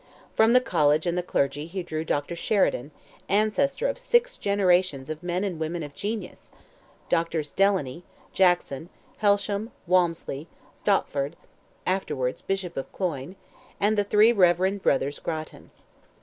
From the college and the clergy he drew Dr. Sheridan—ancestor of six generations of men and women of genius! Doctors Delaney, Jackson, Helsham, Walmsley, Stopford (afterwards Bishop of Cloyne), and the three reverend brothers Grattan.